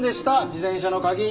自転車の鍵。